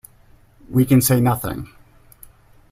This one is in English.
We can say nothing.